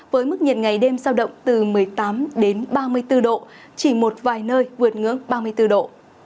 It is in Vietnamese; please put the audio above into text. với mức nhiệt ngày đêm giao động từ một mươi tám đến ba mươi bốn độ chỉ một vài nơi vượt ngưỡng ba mươi bốn độ